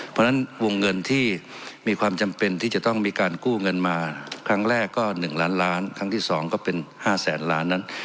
เพราะฉะนั้นวงเงินที่มีความจำเป็นที่จะต้องมีการกู้เงินมาครั้งแรกก็๑ล้านล้านครั้งที่๒ก็เป็น๕แสนล้านนั้น